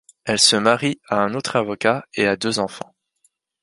Elle se marie à un autre avocat et a deux enfants.